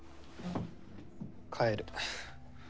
帰る。